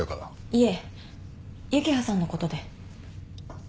いえ幸葉さんのことで。